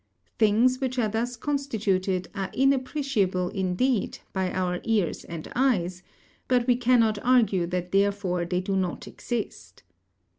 Things which are thus constituted are inappreciable, indeed, by our ears and eyes; but we cannot argue that therefore they do not exist.